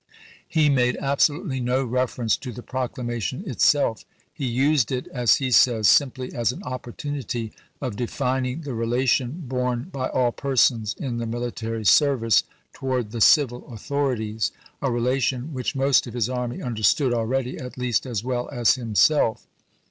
He made absolutely no reference to the Proclamation itself. He used it, as he says, simply as an opportunity of " defining ... the relation borne by all persons in the military ser vice ... toward the civil authorities," a relation which most of his army understood already at least as well as himself.